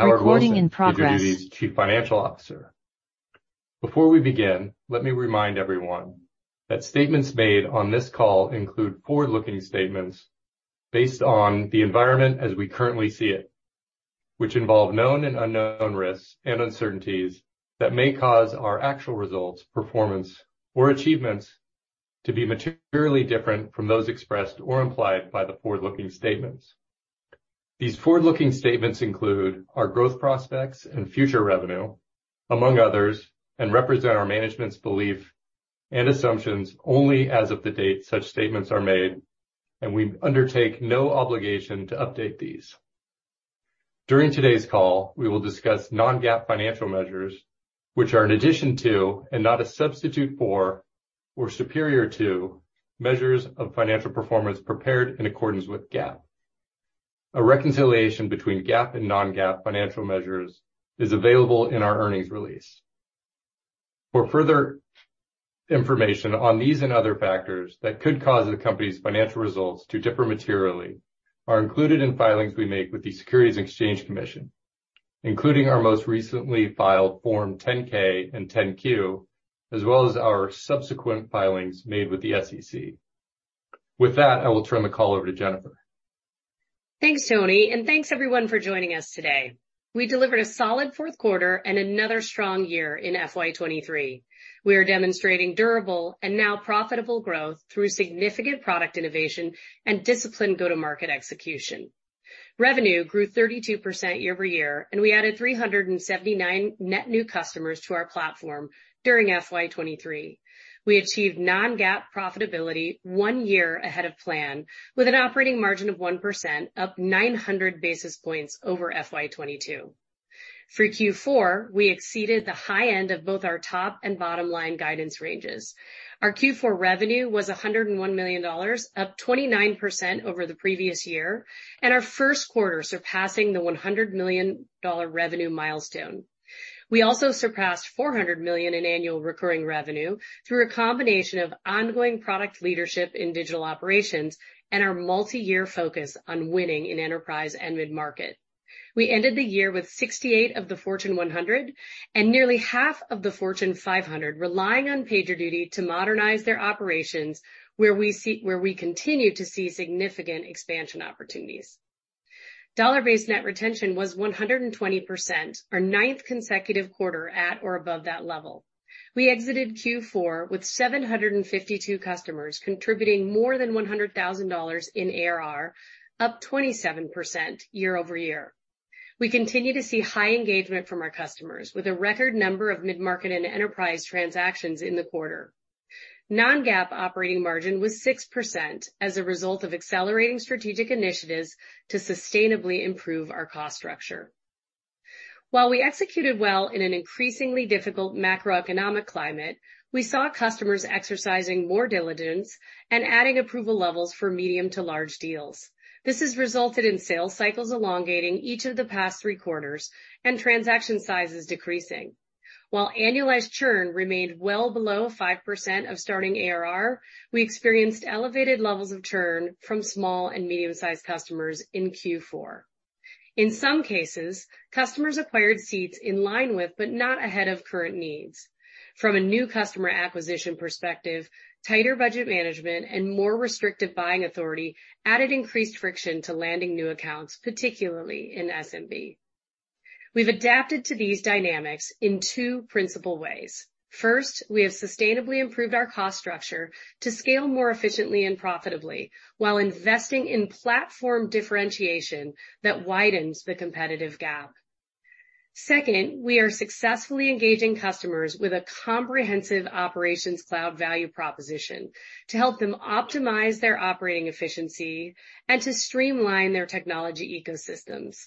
-PagerDuty's Chief Financial Officer. Before we begin, let me remind everyone that statements made on this call include forward-looking statements based on the environment as we currently see it, which involve known and unknown risks and uncertainties that may cause our actual results, performance, or achievements to be materially different from those expressed or implied by the forward-looking statements. These forward-looking statements include our growth prospects and future revenue, among others, and represent our management's belief and assumptions only as of the date such statements are made, and we undertake no obligation to update these. During today's call, we will discuss non-GAAP financial measures, which are in addition to and not a substitute for or superior to measures of financial performance prepared in accordance with GAAP. A reconciliation between GAAP and non-GAAP financial measures is available in our earnings release. For further information on these and other factors that could cause the company's financial results to differ materially are included in filings we make with the Securities and Exchange Commission, including our most recently filed Form 10-K and 10-Q, as well as our subsequent filings made with the SEC. With that, I will turn the call over to Jennifer. Thanks, Tony, and thanks everyone for joining us today. We delivered a solid fourth quarter and another strong year in FY 2023. We are demonstrating durable and now profitable growth through significant product innovation and disciplined go-to-market execution. Revenue grew 32% year-over-year. We added 379 net new customers to our platform during FY 2023. We achieved non-GAAP profitability one year ahead of plan with an operating margin of 1%, up 900 basis points over FY 2022. For Q4, we exceeded the high end of both our top and bottom line guidance ranges. Our Q4 revenue was $101 million, up 29% over the previous year. Our first quarter surpassing the $100 million revenue milestone. We also surpassed $400 million in annual recurring revenue through a combination of ongoing product leadership in digital operations and our multi-year focus on winning in enterprise and mid-market. We ended the year with 68 of the Fortune 100 and nearly half of the Fortune 500 relying on PagerDuty to modernize their operations, where we continue to see significant expansion opportunities. Dollar-Based Net Retention was 120%, our ninth consecutive quarter at or above that level. We exited Q4 with 752 customers, contributing more than $100,000 in ARR, up 27% year-over-year. We continue to see high engagement from our customers with a record number of mid-market and enterprise transactions in the quarter. Non-GAAP operating margin was 6% as a result of accelerating strategic initiatives to sustainably improve our cost structure. While we executed well in an increasingly difficult macroeconomic climate, we saw customers exercising more diligence and adding approval levels for medium to large deals. This has resulted in sales cycles elongating each of the past three quarters and transaction sizes decreasing. While annualized churn remained well below 5% of starting ARR, we experienced elevated levels of churn from small and medium-sized customers in Q4. In some cases, customers acquired seats in line with, but not ahead of current needs. From a new customer acquisition perspective, tighter budget management and more restrictive buying authority added increased friction to landing new accounts, particularly in SMB. We've adapted to these dynamics in two principal ways. First, we have sustainably improved our cost structure to scale more efficiently and profitably while investing in platform differentiation that widens the competitive gap. We are successfully engaging customers with a comprehensive PagerDuty Operations Cloud value proposition to help them optimize their operating efficiency and to streamline their technology ecosystems.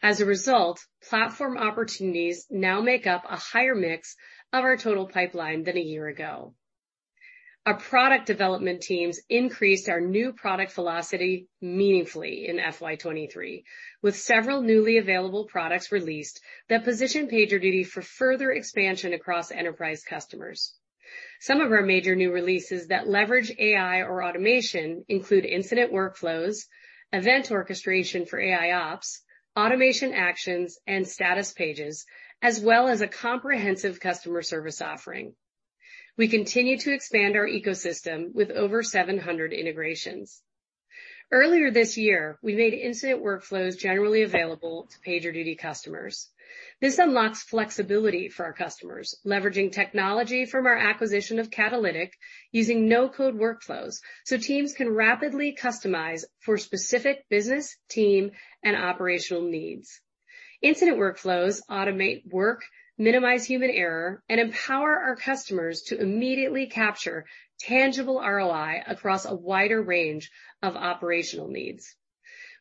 Platform opportunities now make up a higher mix of our total pipeline than a year ago. Our product development teams increased our new product velocity meaningfully in FY 2023, with several newly available products released that position PagerDuty for further expansion across enterprise customers. Some of our major new releases that leverage AI or automation include Incident Workflows, Event Orchestration for AIOps, Automation Actions, and Status Pages, as well as a comprehensive Customer Service offering. We continue to expand our ecosystem with over 700 integrations. Earlier this year, we made Incident Workflows generally available to PagerDuty customers. This unlocks flexibility for our customers, leveraging technology from our acquisition of Catalytic using no-code workflows so teams can rapidly customize for specific business, team, and operational needs. Incident Workflows automate work, minimize human error, and empower our customers to immediately capture tangible ROI across a wider range of operational needs.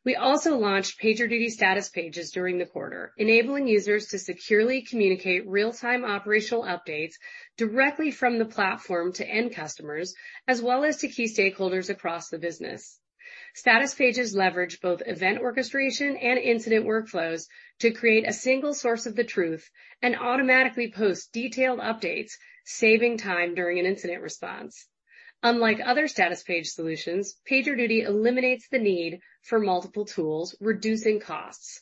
We also launched PagerDuty Status Pages during the quarter, enabling users to securely communicate real-time operational updates directly from the platform to end customers, as well as to key stakeholders across the business. Status Pages leverage both Event Orchestration and Incident Workflows to create a single source of the truth and automatically post detailed updates, saving time during an incident response. Unlike other status page solutions, PagerDuty eliminates the need for multiple tools, reducing costs.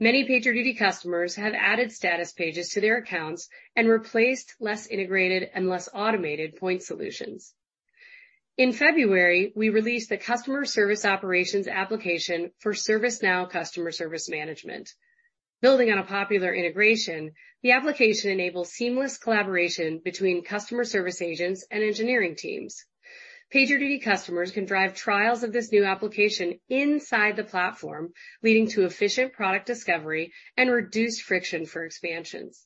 Many PagerDuty customers have added status pages to their accounts and replaced less integrated and less automated point solutions. In February, we released the Customer Service Operations application for ServiceNow Customer Service Management. Building on a popular integration, the application enables seamless collaboration between customer service agents and engineering teams. PagerDuty customers can drive trials of this new application inside the platform, leading to efficient product discovery and reduced friction for expansions.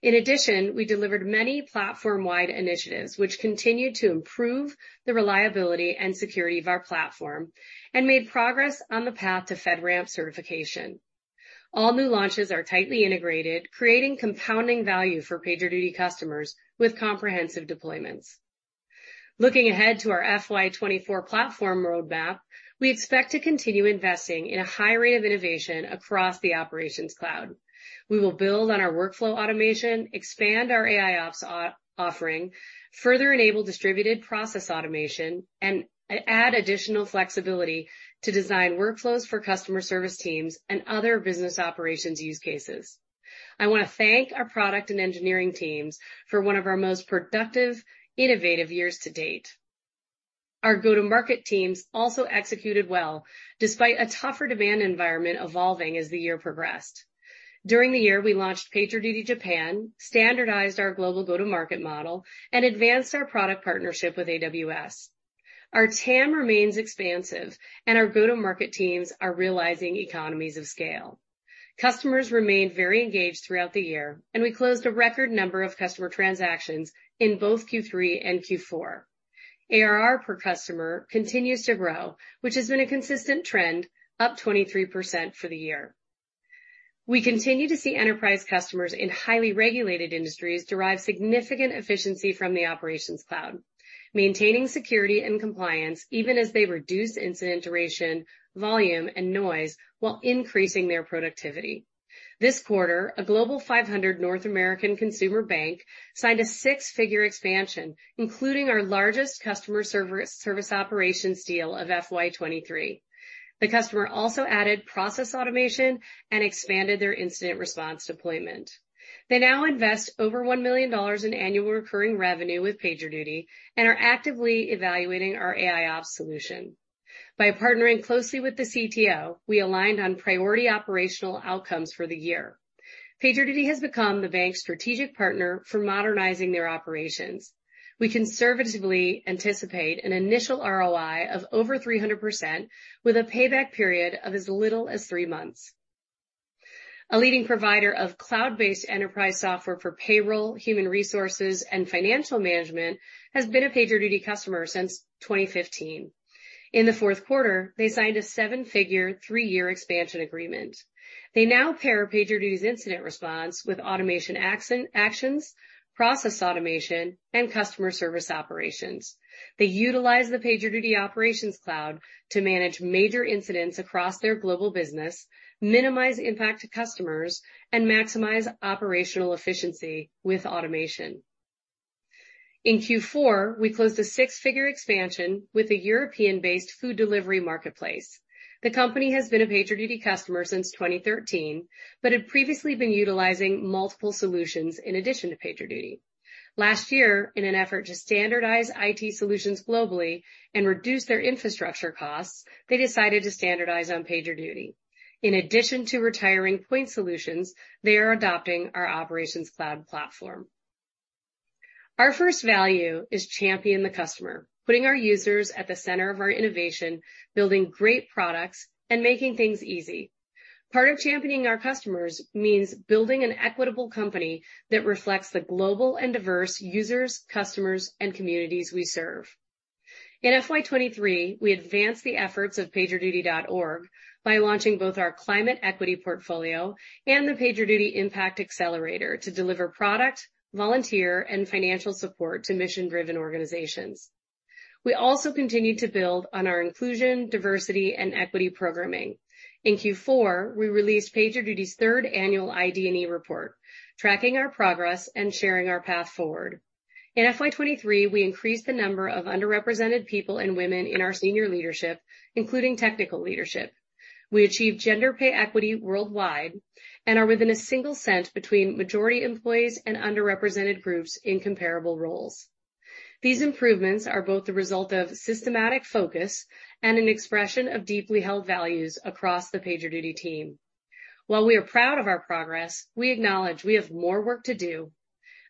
In addition, we delivered many platform-wide initiatives which continued to improve the reliability and security of our platform and made progress on the path to FedRAMP certification. All new launches are tightly integrated, creating compounding value for PagerDuty customers with comprehensive deployments. Looking ahead to our FY 2024 platform roadmap, we expect to continue investing in a high rate of innovation across the Operations Cloud. We will build on our workflow automation, expand our AIOps offering, further enable distributed Process Automation, and add additional flexibility to design workflows for customer service teams and other business operations use cases. I want to thank our product and engineering teams for one of our most productive, innovative years to date. Our go-to-market teams also executed well despite a tougher demand environment evolving as the year progressed. During the year, we launched PagerDuty Japan, standardized our global go-to-market model, and advanced our product partnership with AWS. Our TAM remains expansive, and our go-to-market teams are realizing economies of scale. Customers remained very engaged throughout the year, and we closed a record number of customer transactions in both Q3 and Q4. ARR per customer continues to grow, which has been a consistent trend, up 23% for the year. We continue to see enterprise customers in highly regulated industries derive significant efficiency from the operations cloud, maintaining security and compliance even as they reduce incident duration, volume, and noise while increasing their productivity. This quarter, a Fortune 500 North American consumer bank signed a six-figure expansion, including our largest Customer Service Operations deal of FY23. The customer also added Process Automation and expanded their Incident Response deployment. They now invest over $1 million in Annual Recurring Revenue with PagerDuty and are actively evaluating our AIOps solution. By partnering closely with the CTO, we aligned on priority operational outcomes for the year. PagerDuty has become the bank's strategic partner for modernizing their operations. We conservatively anticipate an initial ROI of over 300% with a payback period of as little as three months. A leading provider of cloud-based enterprise software for payroll, human resources, and financial management has been a PagerDuty customer since 2015. In the fourth quarter, they signed a seven-figure, three-year expansion agreement. They now pair PagerDuty Incident Response with Automation Actions, PagerDuty Process Automation, and Customer Service Operations. They utilize the PagerDuty Operations Cloud to manage major incidents across their global business, minimize impact to customers, and maximize operational efficiency with automation. In Q4, we closed a six-figure expansion with a European-based food delivery marketplace. The company has been a PagerDuty customer since 2013 but had previously been utilizing multiple solutions in addition to PagerDuty. Last year, in an effort to standardize IT solutions globally and reduce their infrastructure costs, they decided to standardize on PagerDuty. In addition to retiring point solutions, they are adopting our Operations Cloud platform. Our first value is champion the customer, putting our users at the center of our innovation, building great products, and making things easy. Part of championing our customers means building an equitable company that reflects the global and diverse users, customers, and communities we serve. In FY 2023, we advanced the efforts of PagerDuty.org by launching both our Climate Equity portfolio and the PagerDuty Impact Accelerator to deliver product, volunteer, and financial support to mission-driven organizations. We also continued to build on our inclusion, diversity, and equity programming. In Q4, we released PagerDuty's third annual ID&E report, tracking our progress and sharing our path forward. In FY 2023, we increased the number of underrepresented people and women in our senior leadership, including technical leadership. We achieved gender pay equity worldwide and are within a $0.01 between majority employees and underrepresented groups in comparable roles. These improvements are both the result of systematic focus and an expression of deeply held values across the PagerDuty team. While we are proud of our progress, we acknowledge we have more work to do.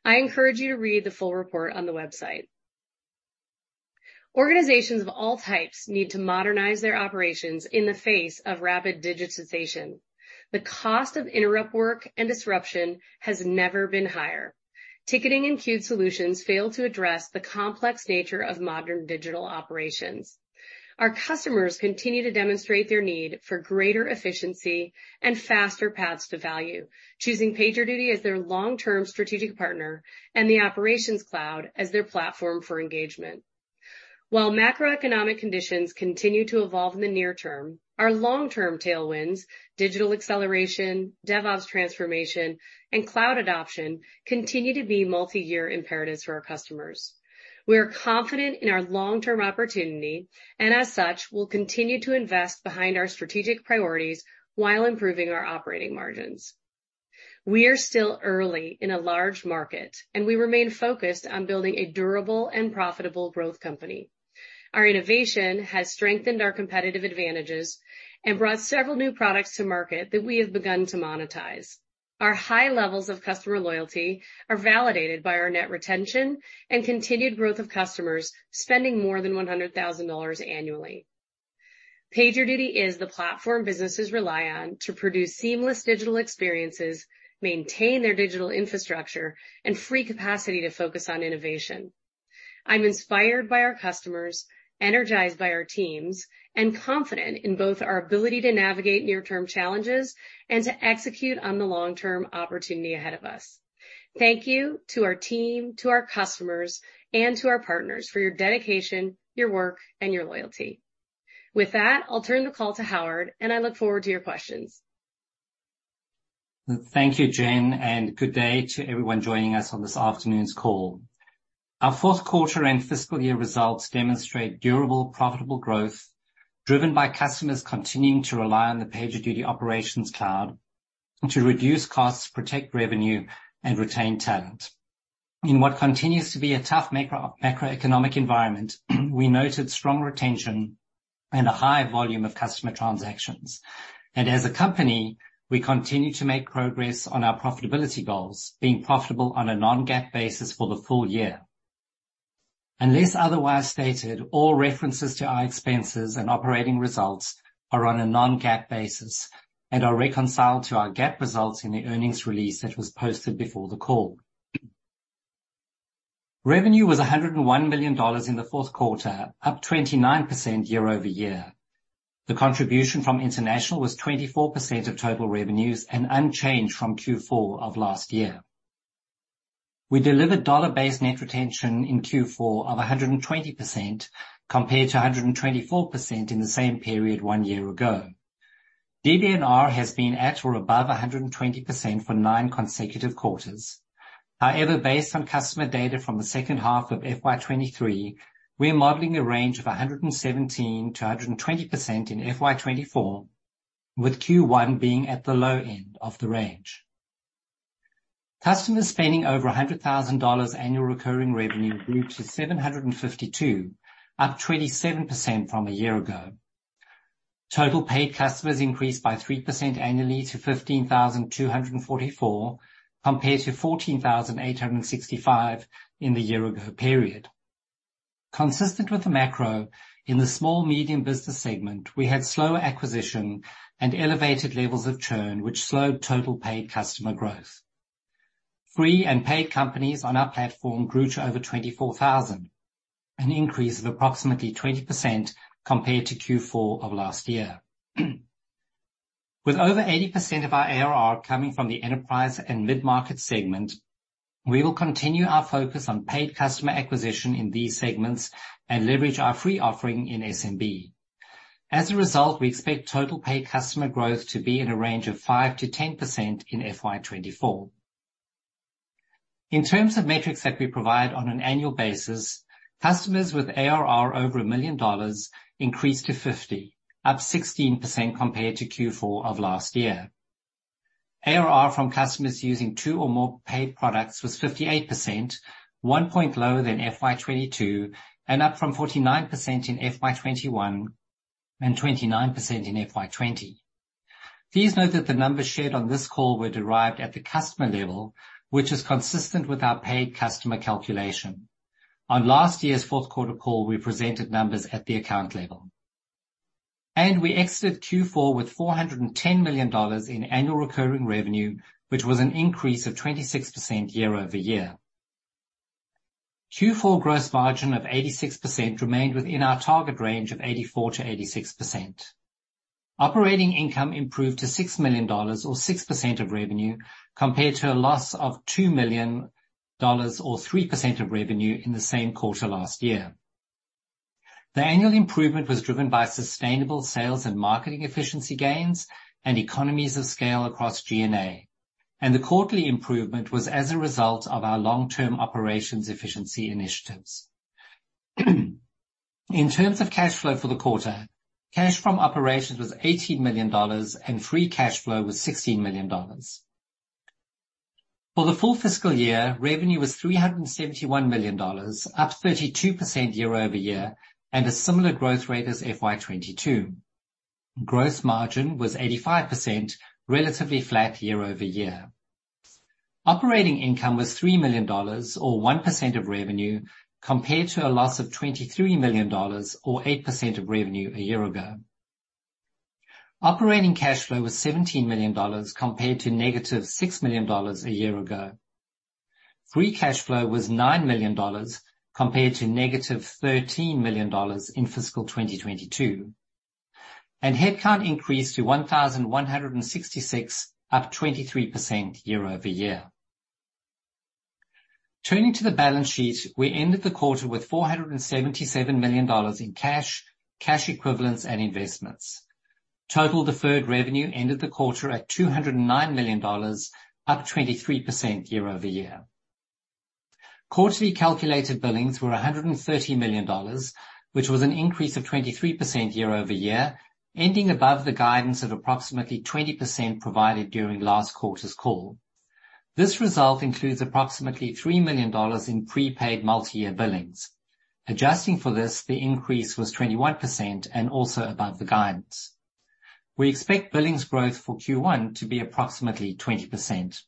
I encourage you to read the full report on the website. Organizations of all types need to modernize their operations in the face of rapid digitization. The cost of interrupt work and disruption has never been higher. Ticketing and queued solutions fail to address the complex nature of modern digital operations. Our customers continue to demonstrate their need for greater efficiency and faster paths to value, choosing PagerDuty as their long-term strategic partner and the Operations Cloud as their platform for engagement. While macroeconomic conditions continue to evolve in the near term, our long-term tailwinds, digital acceleration, DevOps transformation, and cloud adoption continue to be multi-year imperatives for our customers. We are confident in our long-term opportunity, as such, we'll continue to invest behind our strategic priorities while improving our operating margins. We are still early in a large market, we remain focused on building a durable and profitable growth company. Our innovation has strengthened our competitive advantages and brought several new products to market that we have begun to monetize. Our high levels of customer loyalty are validated by our net retention and continued growth of customers spending more than $100,000 annually. PagerDuty is the platform businesses rely on to produce seamless digital experiences, maintain their digital infrastructure, and free capacity to focus on innovation. I'm inspired by our customers, energized by our teams, and confident in both our ability to navigate near-term challenges and to execute on the long-term opportunity ahead of us. Thank you to our team, to our customers, and to our partners for your dedication, your work, and your loyalty. With that, I'll turn the call to Howard, and I look forward to your questions. Thank you, Jen, good day to everyone joining us on this afternoon's call. Our fourth quarter and fiscal year results demonstrate durable, profitable growth, driven by customers continuing to rely on the PagerDuty Operations Cloud to reduce costs, protect revenue, and retain talent. In what continues to be a tough macroeconomic environment, we noted strong retention and a high volume of customer transactions. As a company, we continue to make progress on our profitability goals, being profitable on a non-GAAP basis for the full year. Unless otherwise stated, all references to our expenses and operating results are on a non-GAAP basis and are reconciled to our GAAP results in the earnings release that was posted before the call. Revenue was $101 million in the fourth quarter, up 29% year-over-year. The contribution from international was 24% of total revenues and unchanged from Q4 of last year. We delivered Dollar-Based Net Retention in Q4 of 120% compared to 124% in the same period one year ago. DDNR has been at or above 120% for nine consecutive quarters. However, based on customer data from the second half of FY 2023, we are modeling a range of 117%-120% in FY 2024, with Q1 being at the low end of the range. Customers spending over $100,000 annual recurring revenue grew to 752, up 27% from a year ago. Total paid customers increased by 3% annually to 15,244 compared to 14,865 in the year-ago period. Consistent with the macro, in the small medium business segment, we had slower acquisition and elevated levels of churn, which slowed total paid customer growth. Free and paid companies on our platform grew to over 24,000, an increase of approximately 20% compared to Q4 of last year. With over 80% of our ARR coming from the enterprise and mid-market segment, we will continue our focus on paid customer acquisition in these segments and leverage our free offering in SMB. As a result, we expect total paid customer growth to be in a range of 5%-10% in FY 2024. In terms of metrics that we provide on an annual basis, customers with ARR over $1 million increased to 50, up 16% compared to Q4 of last year. ARR from customers using two or more paid products was 58%, one point lower than FY 2022, up from 49% in FY 2021, and 29% in FY 2020. Please note that the numbers shared on this call were derived at the customer level, which is consistent with our paid customer calculation. On last year's fourth quarter call, we presented numbers at the account level. We exited Q4 with $410 million in annual recurring revenue, which was an increase of 26% year-over-year. Q4 gross margin of 86% remained within our target range of 84%-86%. Operating income improved to $6 million or 6% of revenue compared to a loss of $2 million or 3% of revenue in the same quarter last year. The annual improvement was driven by sustainable sales and marketing efficiency gains and economies of scale across G&A. The quarterly improvement was as a result of our long-term operations efficiency initiatives. In terms of cash flow for the quarter, cash from operations was $18 million, and free cash flow was $16 million. For the full fiscal year, revenue was $371 million, up 32% year-over-year, and a similar growth rate as FY 2022. Gross margin was 85%, relatively flat year-over-year. Operating income was $3 million or 1% of revenue compared to a loss of $23 million or 8% of revenue a year ago. Operating cash flow was $17 million compared to negative $6 million a year ago. Free cash flow was $9 million compared to negative $13 million in fiscal 2022. Headcount increased to 1,166, up 23% year-over-year. Turning to the balance sheet, we ended the quarter with $477 million in cash equivalents, and investments. Total deferred revenue ended the quarter at $209 million, up 23% year-over-year. Quarterly calculated billings were $130 million, which was an increase of 23% year-over-year, ending above the guidance of approximately 20% provided during last quarter's call. This result includes approximately $3 million in prepaid multi-year billings. Adjusting for this, the increase was 21% and also above the guidance. We expect billings growth for Q1 to be approximately 20%.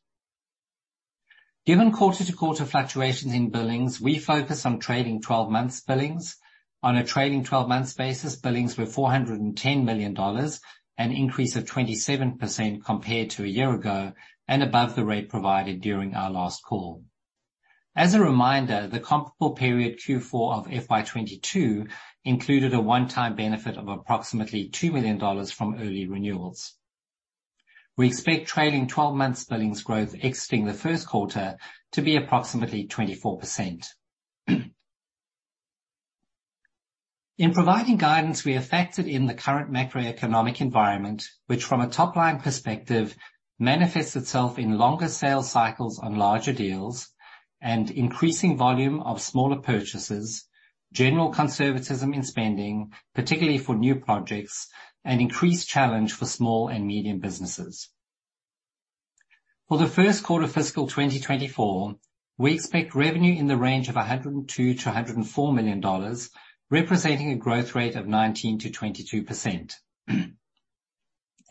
Given quarter-to-quarter fluctuations in billings, we focus on trading 12 months billings. On a trailing 12 months basis, billings were $410 million, an increase of 27% compared to a year ago and above the rate provided during our last call. As a reminder, the comparable period Q4 of FY 2022 included a one-time benefit of approximately $2 million from early renewals. We expect trailing 12 months billings growth exiting the first quarter to be approximately 24%. In providing guidance, we have factored in the current macroeconomic environment, which from a top-line perspective, manifests itself in longer sales cycles on larger deals and increasing volume of smaller purchases, general conservatism in spending, particularly for new projects, and increased challenge for small and medium businesses. For the first quarter fiscal 2024, we expect revenue in the range of $102 million-$104 million, representing a growth rate of 19%-22%.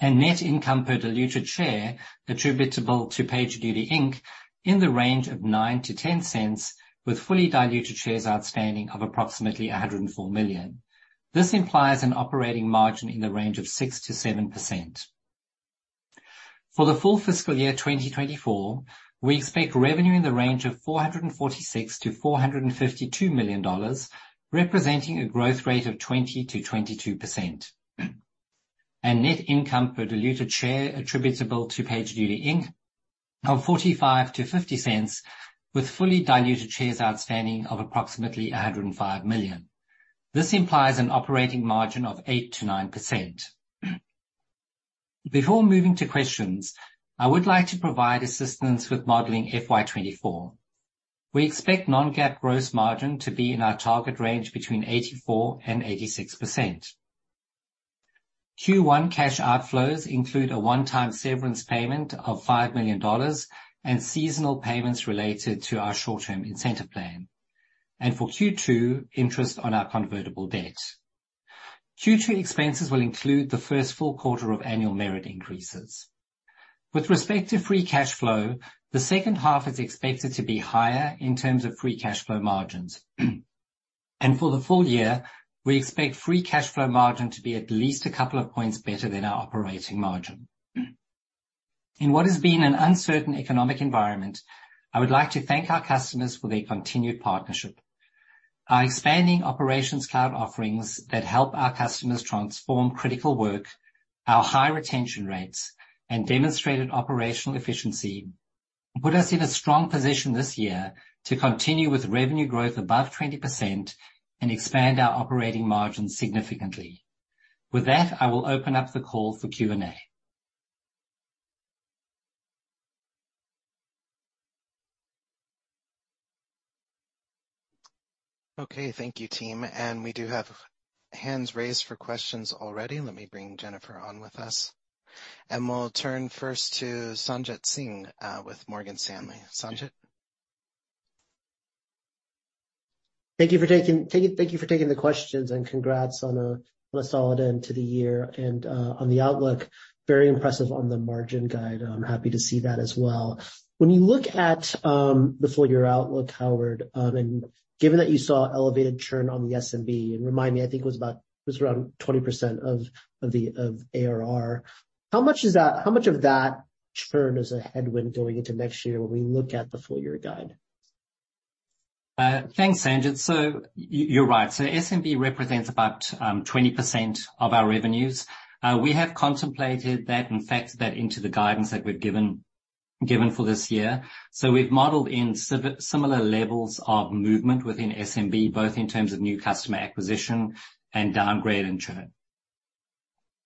Net income per diluted share attributable to PagerDuty Inc. in the range of $0.09-$0.10, with fully diluted shares outstanding of approximately 104 million. This implies an operating margin in the range of 6%-7%. For the full fiscal year 2024, we expect revenue in the range of $446 million-$452 million, representing a growth rate of 20%-22%. Net income per diluted share attributable to PagerDuty Inc. of $0.45-$0.50 with fully diluted shares outstanding of approximately 105 million. This implies an operating margin of 8%-9%. Before moving to questions, I would like to provide assistance with modeling FY 2024. We expect non-GAAP gross margin to be in our target range between 84% and 86%. Q1 cash outflows include a one-time severance payment of $5 million and seasonal payments related to our short-term incentive plan. For Q2, interest on our convertible debt. Q2 expenses will include the first full quarter of annual merit increases. With respect to free cash flow, the second half is expected to be higher in terms of free cash flow margins. For the full year, we expect free cash flow margin to be at least a couple of points better than our operating margin. In what has been an uncertain economic environment, I would like to thank our customers for their continued partnership. Our expanding Operations Cloud offerings that help our customers transform critical work, our high retention rates, and demonstrated operational efficiency put us in a strong position this year to continue with revenue growth above 20% and expand our operating margin significantly. With that, I will open up the call for Q&A. Okay. Thank you, team. We do have hands raised for questions already. Let me bring Jennifer on with us. We'll turn first to Sanjit Singh, with Morgan Stanley. Sanjit. Thank you for taking the questions. Congrats on a solid end to the year and on the outlook. Very impressive on the margin guide. I'm happy to see that as well. When you look at the full year outlook, Howard, given that you saw elevated churn on the SMB, remind me, I think it was about, it was around 20% of the ARR. How much of that churn is a headwind going into next year when we look at the full year guide? Thanks, Sanjit. you're right. SMB represents about 20% of our revenues. We have contemplated that and factored that into the guidance that we've given for this year. We've modeled in similar levels of movement within SMB, both in terms of new customer acquisition and downgrade and churn.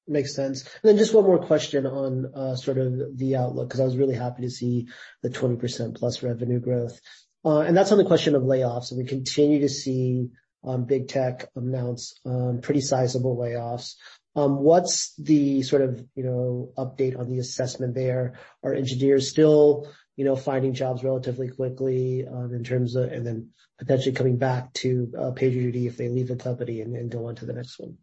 Makes sense. Then just one more question on, sort of the outlook, 'cause I was really happy to see the 20%+ revenue growth. That's on the question of layoffs. We continue to see, big tech announce, pretty sizable layoffs. What's the sort of, you know, update on the assessment there? Are engineers still, you know, finding jobs relatively quickly, and then potentially coming back to PagerDuty if they leave the company and then go on to the next one?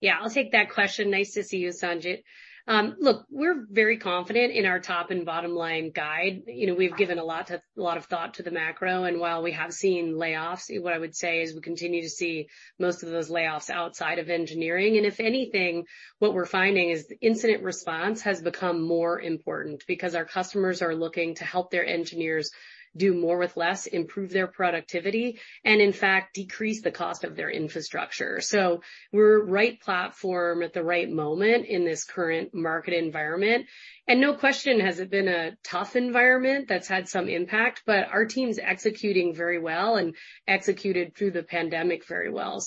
Yeah, I'll take that question. Nice to see you, Sanjit. Look, we're very confident in our top and bottom line guide. You know, we've given a lot of thought to the macro. While we have seen layoffs, what I would say is we continue to see most of those layoffs outside of engineering. If anything, what we're finding is incident response has become more important because our customers are looking to help their engineers do more with less, improve their productivity, and in fact, decrease the cost of their infrastructure. We're right platform at the right moment in this current market environment. No question has it been a tough environment that's had some impact, but our team's executing very well and executed through the pandemic very well.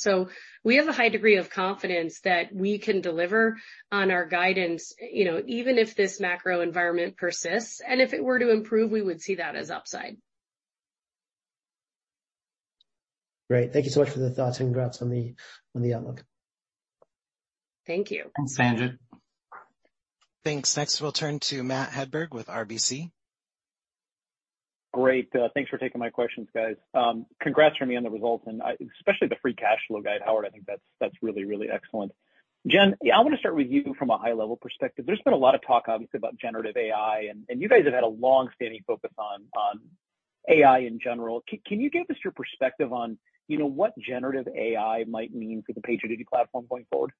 We have a high degree of confidence that we can deliver on our guidance, you know, even if this macro environment persists. If it were to improve, we would see that as upside. Great. Thank you so much for the thoughts and congrats on the, on the outlook. Thank you. Thanks, Sanjit. Thanks. Next, we'll turn to Matthew Hedberg with RBC. Great. Thanks for taking my questions, guys. Congrats to me on the results and especially the free cash flow guide, Howard. I think that's really excellent. Jen, yeah, I wanna start with you from a high level perspective. There's been a lot of talk obviously about generative AI and you guys have had a long-standing focus on AI in general. Can you give us your perspective on, you know, what generative AI might mean for the PagerDuty platform going forward?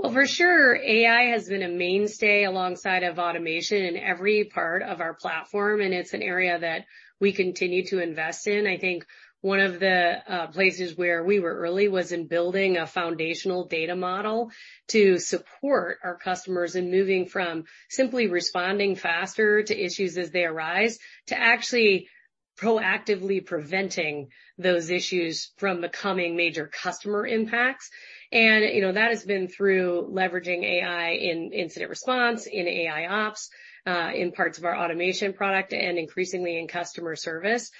For sure AI has been a mainstay alongside of automation in every part of our platform, and it's an area that we continue to invest in. I think one of the places where we were early was in building a foundational data model to support our customers in moving from simply responding faster to issues as they arise, to actually proactively preventing those issues from becoming major customer impacts. You know, that has been through leveraging AI in incident response, in AIOps, in parts of our automation product, and increasingly in customer service.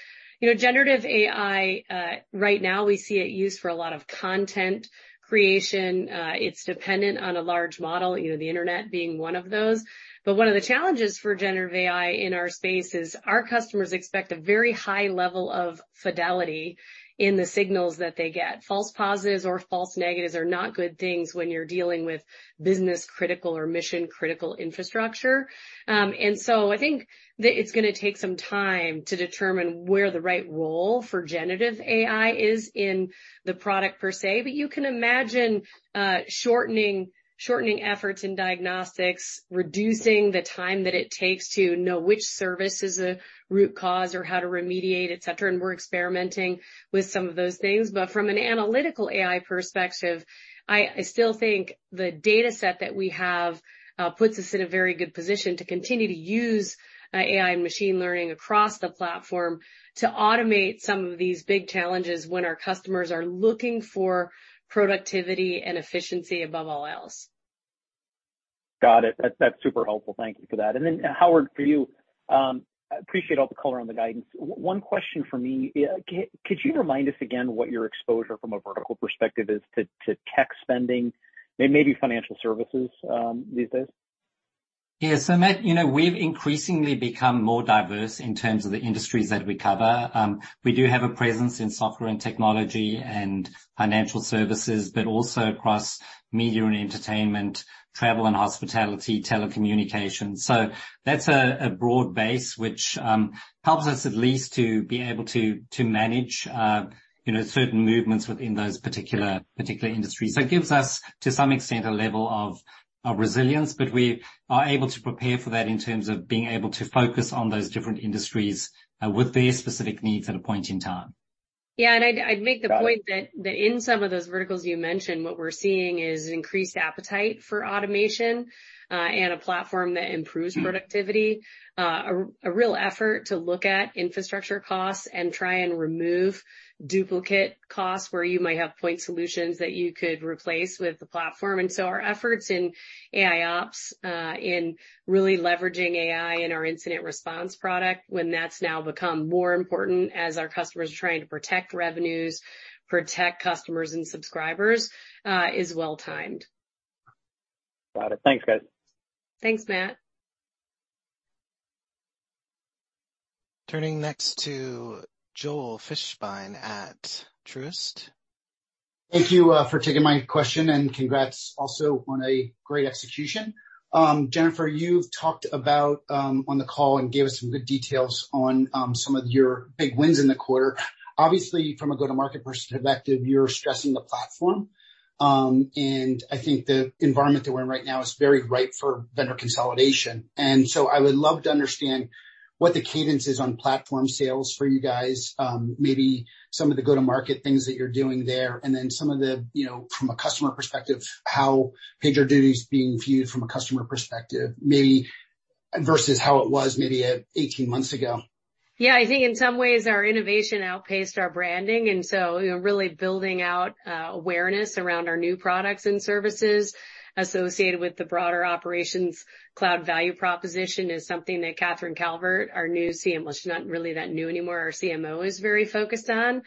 You know, generative AI, right now we see it used for a lot of content creation. It's dependent on a large model, you know, the internet being one of those. One of the challenges for generative AI in our space is our customers expect a very high level of fidelity in the signals that they get. False positives or false negatives are not good things when you're dealing with business critical or mission critical infrastructure. I think that it's gonna take some time to determine where the right role for generative AI is in the product per se. You can imagine, shortening efforts in diagnostics, reducing the time that it takes to know which service is a root cause or how to remediate, et cetera, and we're experimenting with some of those things. From an analytical AI perspective, I still think the dataset that we have puts us in a very good position to continue to use AI and machine learning across the platform to automate some of these big challenges when our customers are looking for productivity and efficiency above all else. Got it. That's super helpful. Thank you for that. And then Howard, for you, I appreciate all the color on the guidance. One question for me. Could you remind us again what your exposure from a vertical perspective is to tech spending and maybe financial services these days? Yeah. Matt, you know, we've increasingly become more diverse in terms of the industries that we cover. We do have a presence in software and technology and financial services, but also across media and entertainment, travel and hospitality, telecommunications. That's a broad base, which helps us at least to be able to manage, you know, certain movements within those particular industries. It gives us to some extent, a level of resilience, but we are able to prepare for that in terms of being able to focus on those different industries with their specific need at a point in time. Yeah. I'd make the point- Got it.... that in some of those verticals you mentioned, what we're seeing is an increased appetite for automation, and a platform that improves productivity. A real effort to look at infrastructure costs and try and remove duplicate costs where you might have point solutions that you could replace with the platform. Our efforts in AIOps, in really leveraging AI in our incident response product when that's now become more important as our customers are trying to protect revenues, protect customers and subscribers, is well-timed. Got it. Thanks, guys. Thanks, Matt. Turning next to Joel Fishbein at Truist. Thank you for taking my question, and congrats also on a great execution. Jennifer, you've talked about on the call and gave us some good details on some of your big wins in the quarter. Obviously, from a go-to-market perspective, you're stressing the platform. I think the environment that we're in right now is very ripe for vendor consolidation. I would love to understand what the cadence is on platform sales for you guys, maybe some of the go-to-market things that you're doing there, and then some of the, you know, from a customer perspective, how PagerDuty is being viewed from a customer perspective, maybe versus how it was maybe 18 months ago. Yeah. I think in some ways our innovation outpaced our branding, you know, really building out awareness around our new products and services associated with the broader Operations Cloud value proposition is something that Katherine Calvert, our new CMO, she's not really that new anymore, our CMO, is very focused on.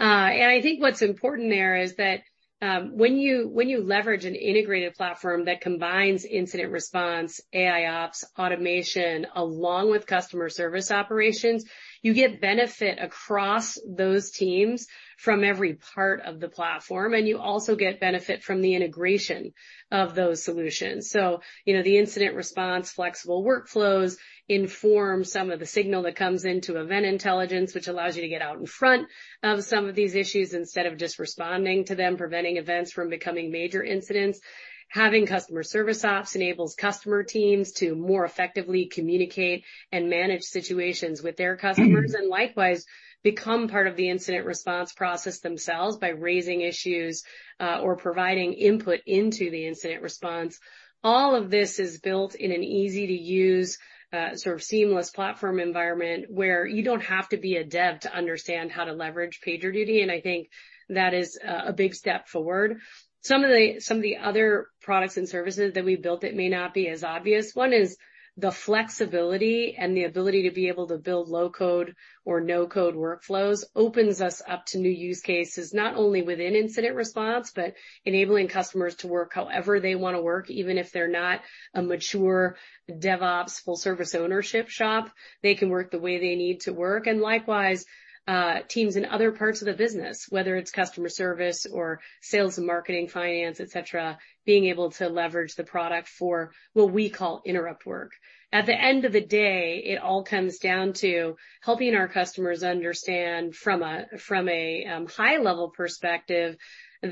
I think what's important there is that. When you leverage an integrated platform that combines Incident Response, AIOps, automation, along with Customer Service Operations, you get benefit across those teams from every part of the platform, and you also get benefit from the integration of those solutions. You know, the Incident Response flexible workflows inform some of the signal that comes into Event Intelligence, which allows you to get out in front of some of these issues instead of just responding to them, preventing events from becoming major incidents. Having Customer Service Operations enables customer teams to more effectively communicate and manage situations with their customers, and likewise, become part of the incident response process themselves by raising issues, or providing input into the incident response. All of this is built in an easy-to-use, sort of seamless platform environment where you don't have to be a dev to understand how to leverage PagerDuty, and I think that is a big step forward. Some of the other products and services that we built, it may not be as obvious. One is the flexibility and the ability to be able to build low-code or no-code workflows opens us up to new use cases, not only within incident response, but enabling customers to work however they wanna work, even if they're not a mature DevOps full service ownership shop, they can work the way they need to work. Likewise, teams in other parts of the business, whether it's customer service or sales and marketing, finance, et cetera, being able to leverage the product for what we call interrupt work. At the end of the day, it all comes down to helping our customers understand from a high level perspective that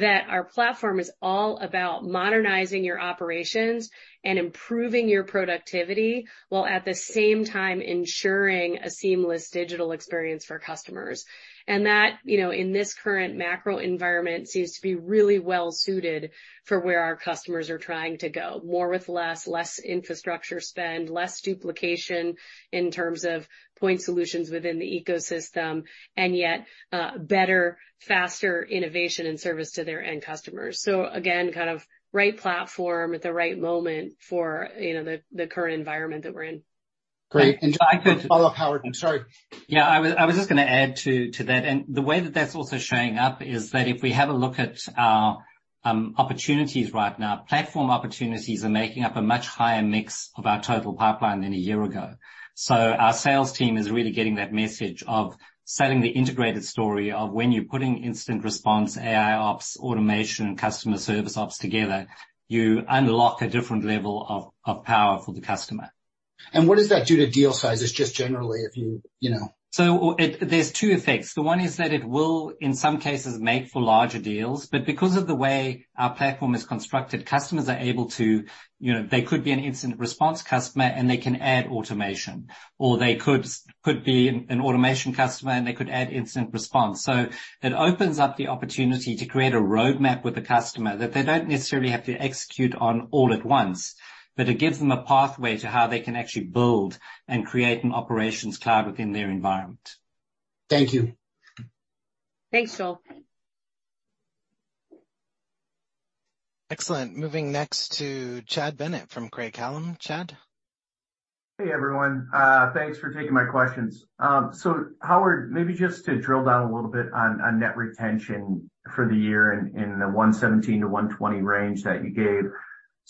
our platform is all about modernizing your operations and improving your productivity, while at the same time ensuring a seamless digital experience for customers. That, you know, in this current macro environment, seems to be really well suited for where our customers are trying to go. More with less, less infrastructure spend, less duplication in terms of point solutions within the ecosystem, and yet, better, faster innovation and service to their end customers. Again, kind of right platform at the right moment for, you know, the current environment that we're in. Great. Just a quick follow-up, Howard. I'm sorry. Yeah, I was just gonna add to that. The way that that's also showing up is that if we have a look at our opportunities right now, platform opportunities are making up a much higher mix of our total pipeline than a year ago. Our sales team is really getting that message of selling the integrated story of when you're putting Incident Response, AIOps, automation, and Customer Service ops together, you unlock a different level of power for the customer. What does that do to deal sizes, just generally, if you know? There's two effects. The one is that it will, in some cases, make for larger deals, but because of the way our platform is constructed, customers are able to, you know, they could be an incident response customer, and they can add automation, or they could be an automation customer, and they could add incident response. It opens up the opportunity to create a roadmap with the customer that they don't necessarily have to execute on all at once, but it gives them a pathway to how they can actually build and create an operations cloud within their environment. Thank you. Thanks, Joel. Excellent. Moving next to Chad Bennett from Craig-Hallum. Chad? Hey, everyone. Thanks for taking my questions. Howard, maybe just to drill down a little bit on net retention for the year in the 117%-120% range that you gave.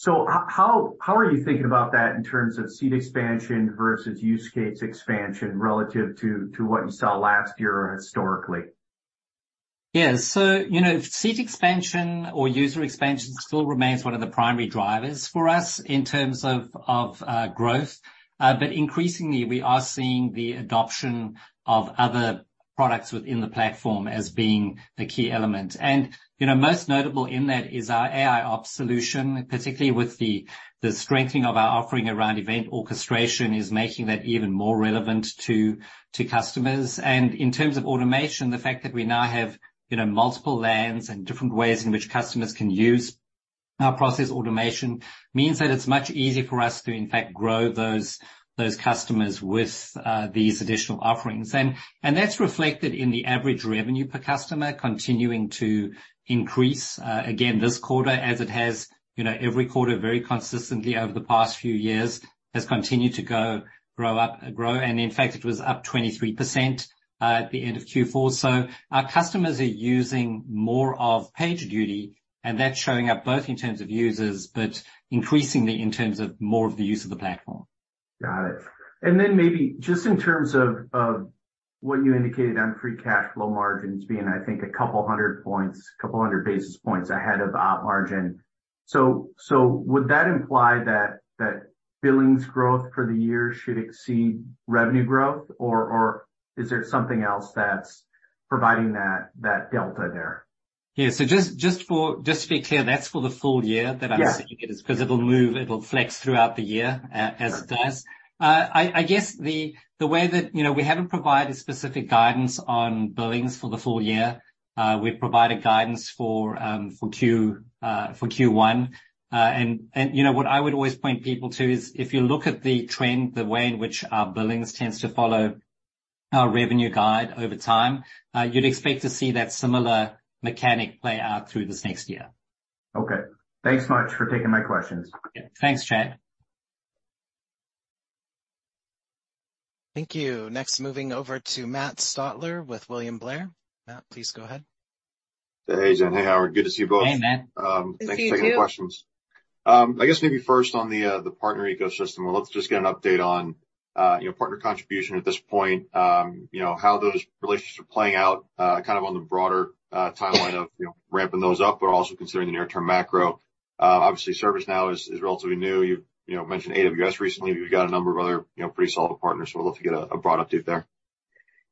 How are you thinking about that in terms of seat expansion versus use case expansion relative to what you saw last year or historically? Yeah. you know, seat expansion or user expansion still remains one of the primary drivers for us in terms of growth. increasingly we are seeing the adoption of other products within the platform as being the key element. you know, most notable in that is our AIOps solution, particularly with the strengthening of our offering around Event Orchestration is making that even more relevant to customers. In terms of automation, the fact that we now have, you know, multiple LANs and different ways in which customers can use our Process Automation means that it's much easier for us to, in fact, grow those customers with these additional offerings. That's reflected in the average revenue per customer continuing to increase, again, this quarter as it has, you know, every quarter very consistently over the past few years, has continued to grow. In fact, it was up 23% at the end of Q4. Our customers are using more of PagerDuty, and that's showing up both in terms of users, but increasingly in terms of more of the use of the platform. Got it. Then maybe just in terms of what you indicated on free cash flow margins being, I think 200 basis points ahead of op margin. Would that imply that billings growth for the year should exceed revenue growth, or is there something else that's providing that delta there? Yeah. Just for, just to be clear, that's for the full year. Yeah. -speaking is 'cause it'll move, it'll flex throughout the year as it does. I guess the way that you know, we haven't provided specific guidance on billings for the full year. We've provided guidance for Q1. You know, what I would always point people to is if you look at the trend, the way in which our billings tends to follow our revenue guide over time, you'd expect to see that similar mechanic play out through this next year. Okay. Thanks much for taking my questions. Yeah. Thanks, Chad. Thank you. Next, moving over to Matthew Stotler with William Blair. Matt, please go ahead. Hey, Jen. Hey, Howard. Good to see you both. Hey, Matt. Thanks for taking the questions. Good to see you too. I guess maybe first on the partner ecosystem. Well, let's just get an update on, you know, partner contribution at this point. You know, how those relationships are playing out, kind of on the broader timeline of, you know, ramping those up, but also considering the near term macro. Obviously ServiceNow is relatively new. You've, you know, mentioned AWS recently. You've got a number of other, you know, pretty solid partners, so I'd love to get a broad update there.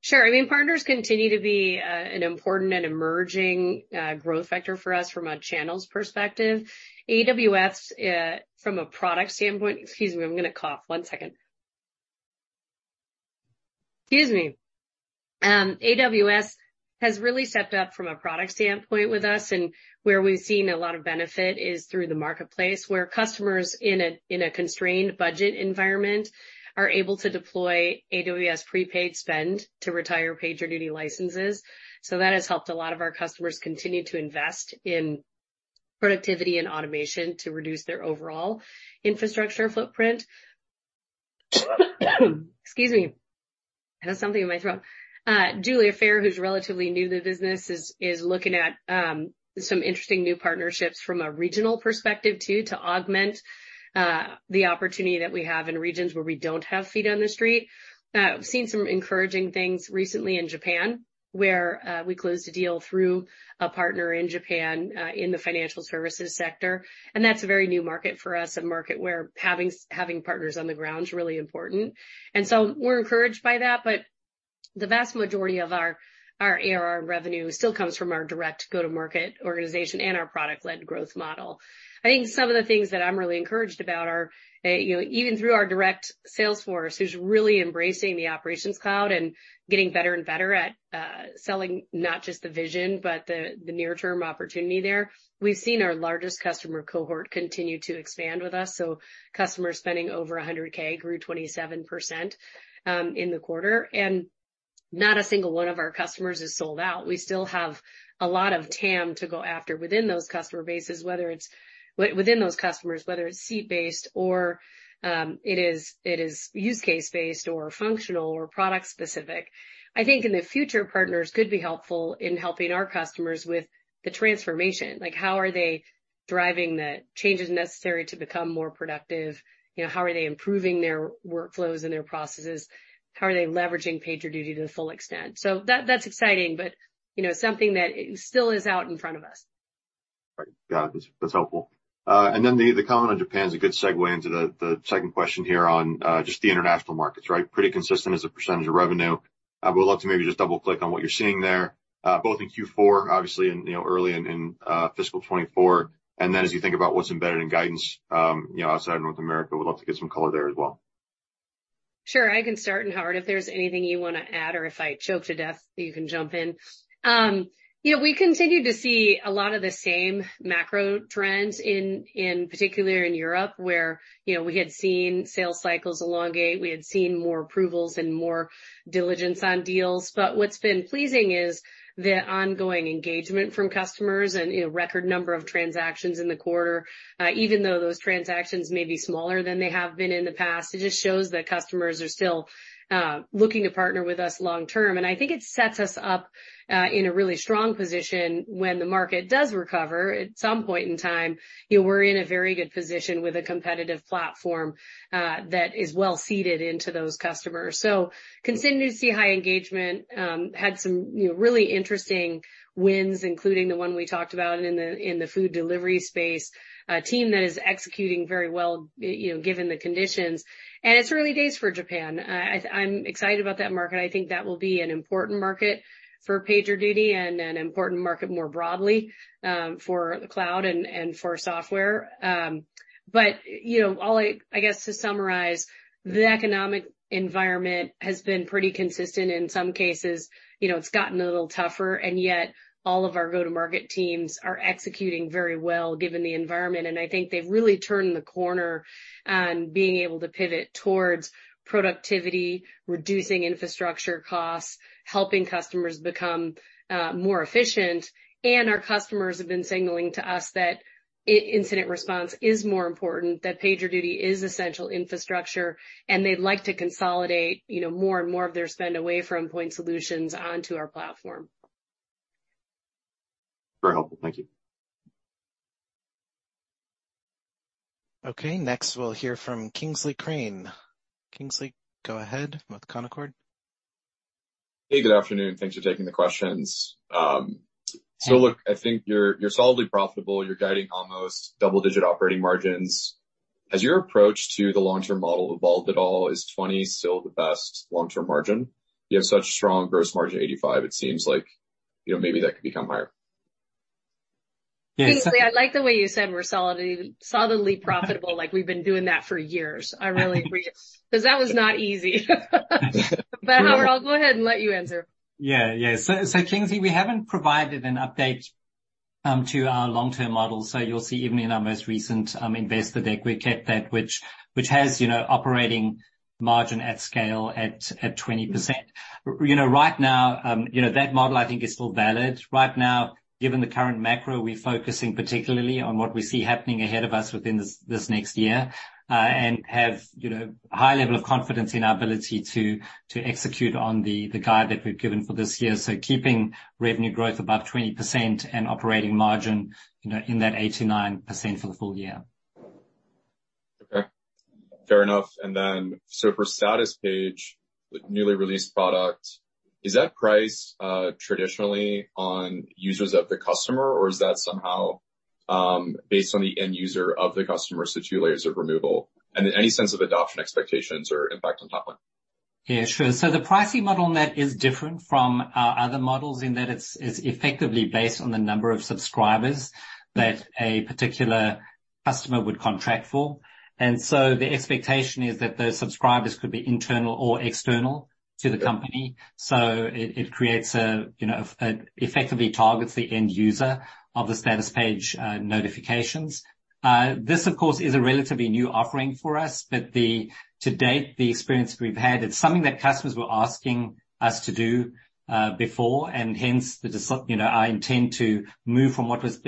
Sure. I mean, partners continue to be an important and emerging growth factor for us from a channels perspective. AWS, from a product standpoint. Excuse me, I'm gonna cough. One second. Excuse me. AWS has really stepped up from a product standpoint with us, and where we've seen a lot of benefit is through the marketplace where customers in a constrained budget environment are able to deploy AWS prepaid spend to retire PagerDuty licenses. That has helped a lot of our customers continue to invest in productivity and automation to reduce their overall infrastructure footprint. Excuse me. I had something in my throat. Julia Fare, who's relatively new to the business is looking at some interesting new partnerships from a regional perspective too to augment the opportunity that we have in regions where we don't have feet on the street. We've seen some encouraging things recently in Japan where we closed a deal through a partner in Japan in the financial services sector, and that's a very new market for us, a market where having partners on the ground is really important. We're encouraged by that. The vast majority of our ARR revenue still comes from our direct go-to-market organization and our product-led growth model. I think some of the things that I'm really encouraged about are, you know, even through our direct sales force who's really embracing the Operations Cloud and getting better and better at selling not just the vision but the near term opportunity there. We've seen our largest customer cohort continue to expand with us, so customers spending over $100K grew 27% in the quarter. Not a single one of our customers is sold out. We still have a lot of TAM to go after within those customer bases, whether it's within those customers, whether it's seat-based or, it is use case-based or functional or product specific. I think in the future, partners could be helpful in helping our customers with the transformation. Like, how are they driving the changes necessary to become more productive? You know, how are they improving their workflows and their processes? How are they leveraging PagerDuty to the full extent? That, that's exciting but, you know, something that still is out in front of us. Right. Got it. That's helpful. Then the comment on Japan is a good segue into the second question here on just the international markets, right? Pretty consistent as a % of revenue. I would love to maybe just double-click on what you're seeing there, both in Q4 obviously and, you know, early in fiscal 2024. Then as you think about what's embedded in guidance, you know, outside of North America, would love to get some color there as well. Sure. I can start. Howard, if there's anything you wanna add or if I choke to death, you can jump in. You know, we continue to see a lot of the same macro trends in particular in Europe, where, you know, we had seen sales cycles elongate. We had seen more approvals and more diligence on deals. What's been pleasing is the ongoing engagement from customers and, you know, record number of transactions in the quarter, even though those transactions may be smaller than they have been in the past. It just shows that customers are still looking to partner with us long term. I think it sets us up in a really strong position when the market does recover at some point in time. You know, we're in a very good position with a competitive platform that is well-seeded into those customers. Continue to see high engagement. Had some, you know, really interesting wins, including the one we talked about in the food delivery space. A team that is executing very well, you know, given the conditions. It's early days for Japan. I'm excited about that market. I think that will be an important market for PagerDuty and an important market more broadly for the cloud and for software. You know, I guess to summarize, the economic environment has been pretty consistent. In some cases, you know, it's gotten a little tougher, and yet all of our go-to-market teams are executing very well given the environment. I think they've really turned the corner on being able to pivot towards productivity, reducing infrastructure costs, helping customers become more efficient. Our customers have been signaling to us that incident response is more important, that PagerDuty is essential infrastructure, and they'd like to consolidate, you know, more and more of their spend away from point solutions onto our platform. Very helpful. Thank you. Okay, next we'll hear from Kingsley Crane. Kingsley, go ahead with Canaccord. Hey, good afternoon. Thanks for taking the questions. look, I think you're solidly profitable. You're guiding almost double-digit operating margins. Has your approach to the long-term model evolved at all? Is 20% still the best long-term margin? You have such strong gross margin, 85%. It seems like, you know, maybe that could become higher. Kingsley, I like the way you said we're solidly profitable like we've been doing that for years. I really appreciate it. 'Cause that was not easy. Howard, I'll go ahead and let you answer. Yeah. Yeah. Kingsley, we haven't provided an update To our long-term model. You'll see even in our most recent investor deck, we kept that which has, you know, operating margin at scale at 20%. You know, right now, you know, that model, I think, is still valid. Right now, given the current macro, we're focusing particularly on what we see happening ahead of us within this next year, and have, you know, a high level of confidence in our ability to execute on the guide that we've given for this year. Keeping revenue growth above 20% and operating margin, you know, in that 8%-9% for the full year. Okay, fair enough. For Status Pages, the newly released product, is that priced traditionally on users of the customer, or is that somehow based on the end user of the customer, so two layers of removal? Any sense of adoption expectations or impact on top line? Yeah, sure. The pricing model on that is different from our other models in that it's effectively based on the number of subscribers that a particular customer would contract for. The expectation is that those subscribers could be internal or external to the company. It creates a, you know, effectively targets the end user of the Status Pages notifications. This of course, is a relatively new offering for us, to date, the experience we've had, it's something that customers were asking us to do before, hence you know, our intent to move from what was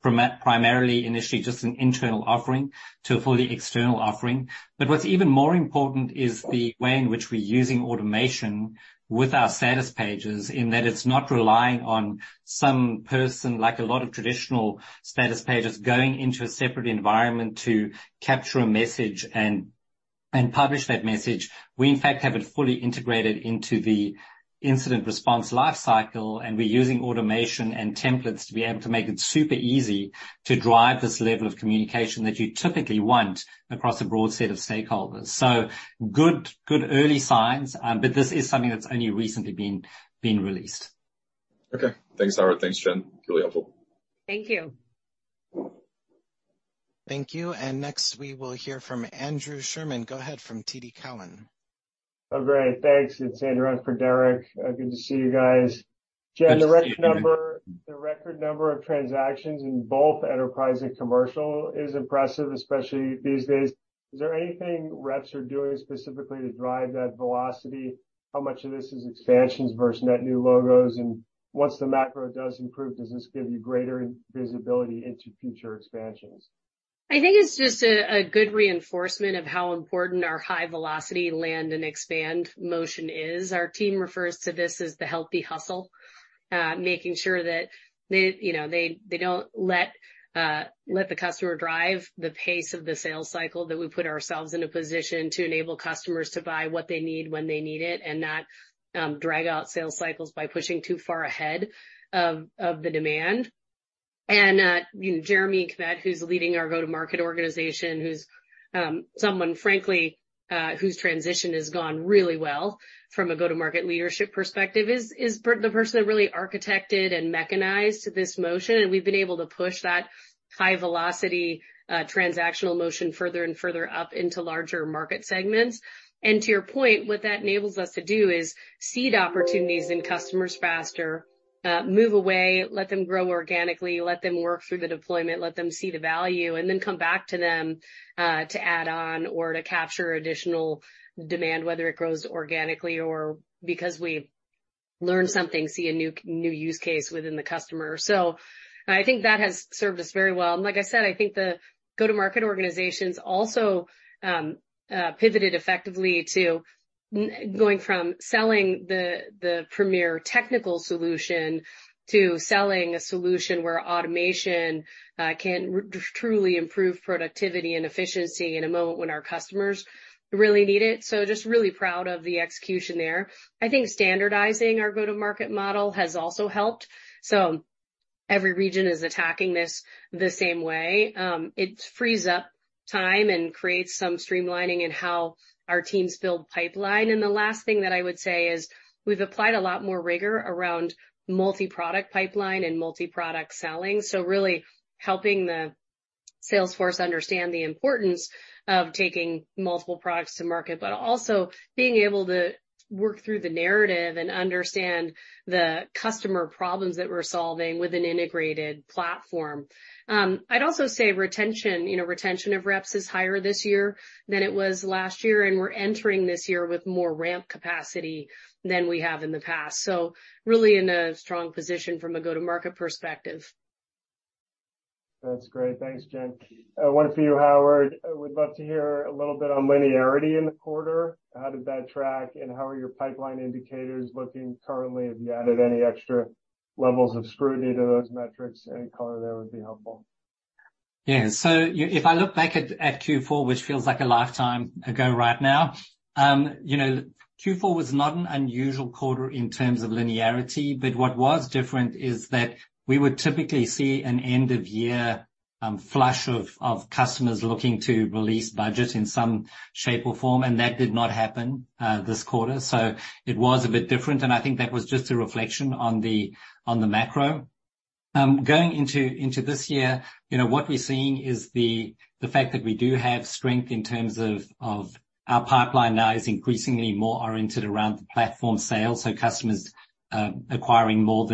primarily initially just an internal offering to a fully external offering. What's even more important is the way in which we're using automation with our status pages, in that it's not relying on some person, like a lot of traditional status pages, going into a separate environment to capture a message and publish that message. We in fact have it fully integrated into the incident response life cycle, and we're using automation and templates to be able to make it super easy to drive this level of communication that you typically want across a broad set of stakeholders. Good, good early signs, but this is something that's only recently been released. Okay. Thanks, Howard. Thanks, Jen. Really helpful. Thank you. Thank you. Next we will hear from Andrew Sherman. Go ahead, from TD Cowen. Oh, great. Thanks. It's Andrew, not Frederick. Good to see you guys. Good to see you, Andrew. Jen, the record number of transactions in both enterprise and commercial is impressive, especially these days. Is there anything reps are doing specifically to drive that velocity? How much of this is expansions versus net new logos? Once the macro does improve, does this give you greater visibility into future expansions? I think it's just a good reinforcement of how important our high velocity land and expand motion is. Our team refers to this as the healthy hustle. Making sure that they, you know, they don't let the customer drive the pace of the sales cycle, that we put ourselves in a position to enable customers to buy what they need when they need it, and not drag out sales cycles by pushing too far ahead of the demand. You know, Jeremy Kmet, who's leading our go-to-market organization, who's someone frankly, whose transition has gone really well from a go-to-market leadership perspective, is the person that really architected and mechanized this motion. We've been able to push that high velocity transactional motion further and further up into larger market segments. To your point, what that enables us to do is seed opportunities in customers faster, move away, let them grow organically, let them work through the deployment, let them see the value, and then come back to them to add on or to capture additional demand, whether it grows organically or because we learn something, see a new use case within the customer. I think that has served us very well. Like I said, I think the go-to-market organizations also pivoted effectively to going from selling the premier technical solution to selling a solution where automation can truly improve productivity and efficiency in a moment when our customers really need it. Just really proud of the execution there. I think standardizing our go-to-market model has also helped. Every region is attacking this the same way. It frees up time and creates some streamlining in how our teams build pipeline. The last thing that I would say is we've applied a lot more rigor around multi-product pipeline and multi-product selling. Really helping the sales force understand the importance of taking multiple products to market, but also being able to work through the narrative and understand the customer problems that we're solving with an integrated platform. I'd also say retention, you know, retention of reps is higher this year than it was last year, and we're entering this year with more ramp capacity than we have in the past. Really in a strong position from a go-to-market perspective. That's great. Thanks, Jen. One for you, Howard. I would love to hear a little bit on linearity in the quarter. How did that track? How are your pipeline indicators looking currently? Have you added any extra levels of scrutiny to those metrics? Any color there would be helpful. If I look back at Q4, which feels like a lifetime ago right now, you know, Q4 was not an unusual quarter in terms of linearity, but what was different is that we would typically see an end-of-year flush of customers looking to release budget in some shape or form, and that did not happen this quarter. It was a bit different, and I think that was just a reflection on the macro. Going into this year, you know, what we're seeing is the fact that we do have strength in terms of our pipeline now is increasingly more oriented around the platform sales. Customers, acquiring more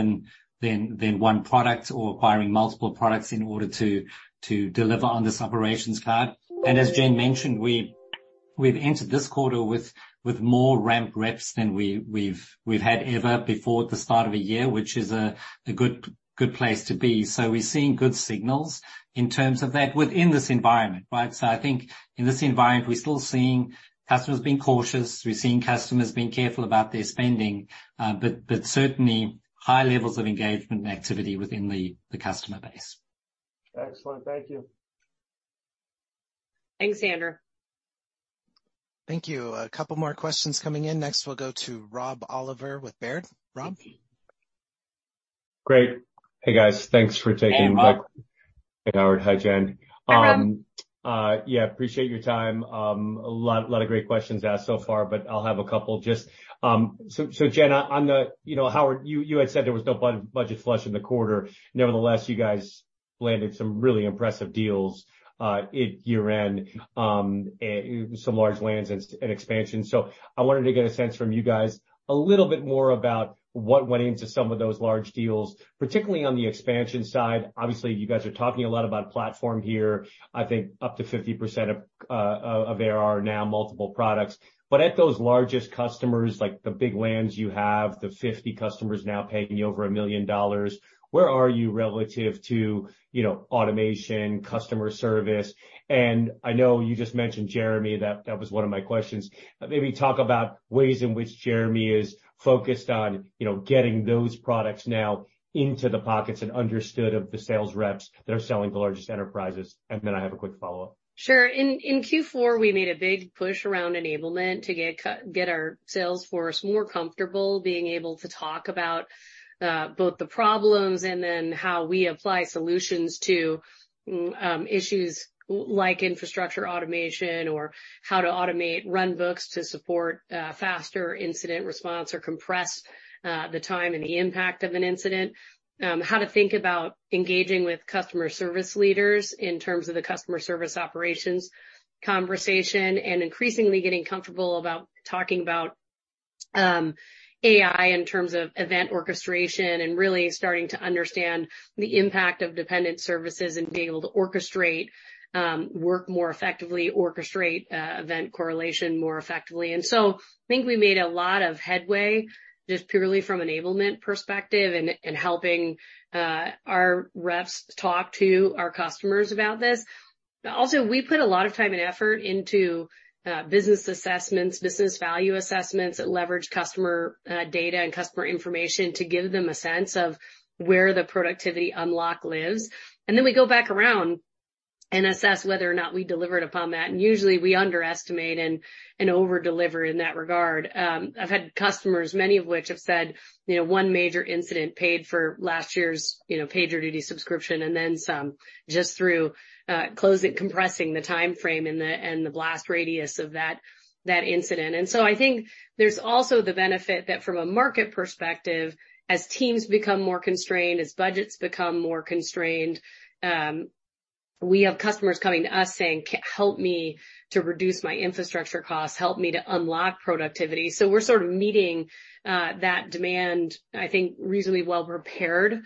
than one product or acquiring multiple products in order to deliver on this Operations Cloud. As Jen mentioned, we've entered this quarter with more ramp reps than we've had ever before at the start of a year, which is a good place to be. We're seeing good signals in terms of that within this environment, right? I think in this environment, we're still seeing customers being cautious. We're seeing customers being careful about their spending, but certainly high levels of engagement and activity within the customer base. Excellent. Thank you. Thanks, Andrew. Thank you. A couple more questions coming in. Next, we'll go to Rob Oliver with Baird. Rob? Great. Hey, guys. Thanks for taking. Hey, Rob. Hey, Howard. Hi, Jen. Hi, Rob. Yeah, appreciate your time. A lot of great questions asked so far, but I'll have a couple just... So Jen, on the... You know, Howard, you had said there was no budget flush in the quarter. Nevertheless, you guys landed some really impressive deals at year-end, some large wins and expansion. I wanted to get a sense from you guys a little bit more about what went into some of those large deals, particularly on the expansion side. Obviously, you guys are talking a lot about platform here. I think up to 50% of ARR now multiple products. At those largest customers, like the big wins you have, the 50 customers now paying you over $1 million, where are you relative to, you know, automation, customer service? I know you just mentioned Jeremy, that was one of my questions. Maybe talk about ways in which Jeremy is focused on, you know, getting those products now into the pockets and understood of the sales reps that are selling the largest enterprises. I have a quick follow-up. Sure. In Q4, we made a big push around enablement to get our sales force more comfortable being able to talk about both the problems and then how we apply solutions to issues like infrastructure automation or how to automate runbooks to support faster incident response or compress the time and the impact of an incident. How to think about engaging with customer service leaders in terms of the Customer Service Operations conversation, and increasingly getting comfortable about talking about AI in terms of Event Orchestration and really starting to understand the impact of dependent services and being able to orchestrate work more effectively, orchestrate event correlation more effectively. I think we made a lot of headway, just purely from enablement perspective and helping our reps talk to our customers about this. Also, we put a lot of time and effort into business assessments, business value assessments that leverage customer data and customer information to give them a sense of where the productivity unlock lives. Then we go back around and assess whether or not we delivered upon that. Usually we underestimate and over-deliver in that regard. I've had customers, many of which have said, you know, one major incident paid for last year's, you know, PagerDuty subscription and then some just through closing, compressing the timeframe and the blast radius of that incident. I think there's also the benefit that from a market perspective, as teams become more constrained, as budgets become more constrained, we have customers coming to us saying, "Help me to reduce my infrastructure costs, help me to unlock productivity." We're sort of meeting that demand, I think, reasonably well prepared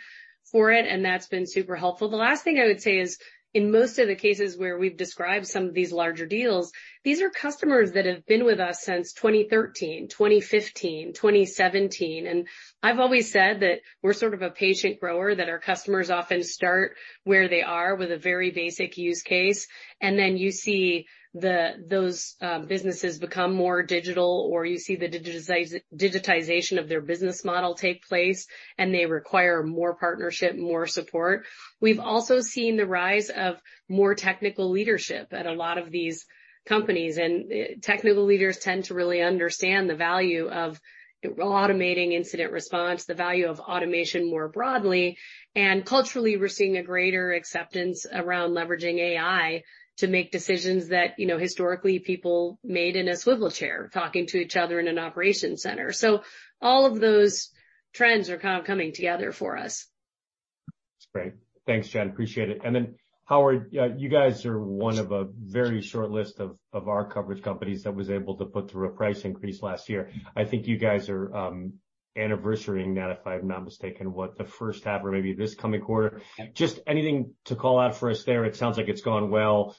for it, and that's been super helpful. The last thing I would say is, in most of the cases where we've described some of these larger deals, these are customers that have been with us since 2013, 2015, 2017. I've always said that we're sort of a patient grower, that our customers often start where they are with a very basic use case, and then you see those businesses become more digital or you see the digitization of their business model take place, and they require more partnership, more support. We've also seen the rise of more technical leadership at a lot of these companies. Technical leaders tend to really understand the value of automating incident response, the value of automation more broadly. Culturally, we're seeing a greater acceptance around leveraging AI to make decisions that, you know, historically people made in a swivel chair talking to each other in an operation center. All of those trends are kind of coming together for us. That's great. Thanks, Jen. Appreciate it. Howard, you guys are one of a very short list of our coverage companies that was able to put through a price increase last year. I think you guys are anniversarying that, if I'm not mistaken. What, the first half or maybe this coming quarter? Just anything to call out for us there? It sounds like it's gone well,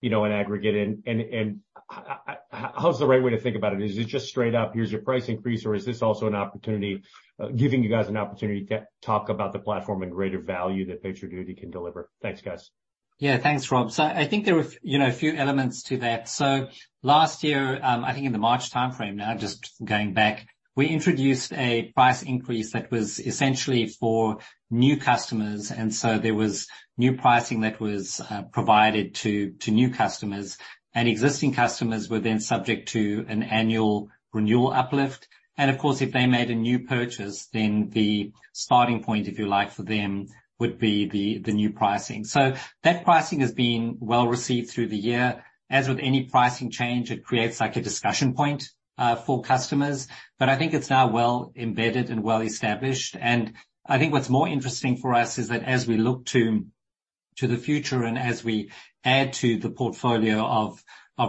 you know, in aggregate. How's the right way to think about it? Is it just straight up, here's your price increase, or is this also an opportunity, giving you guys an opportunity to talk about the platform and greater value that PagerDuty can deliver? Thanks, guys. Yeah. Thanks, Rob. I think there are, you know, a few elements to that. Last year, I think in the March timeframe now, just going back, we introduced a price increase that was essentially for new customers, there was new pricing that was provided to new customers. Existing customers were then subject to an annual renewal uplift. Of course, if they made a new purchase, then the starting point, if you like, for them would be the new pricing. That pricing has been well received through the year. As with any pricing change, it creates like a discussion point for customers. I think it's now well embedded and well established. I think what's more interesting for us is that as we look to the future and as we add to the portfolio of